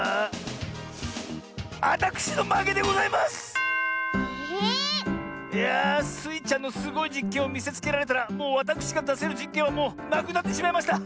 ⁉いやスイちゃんのすごいじっけんをみせつけられたらもうわたくしがだせるじっけんはもうなくなってしまいました。